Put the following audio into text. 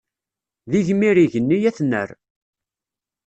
D igmir igenni ad t-nerr.